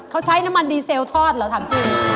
เขาใช้น้ำมันดีเซลทอดเหรอถามจริง